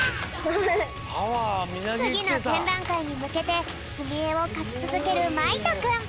つぎのてんらんかいにむけてすみえをかきつづけるまいとくん。